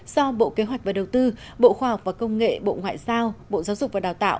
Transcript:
do bộ kế hoạch và đầu tư bộ khoa học và công nghệ bộ ngoại giao bộ giáo dục và đào tạo